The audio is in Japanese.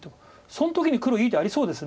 その時に黒いい手ありそうです。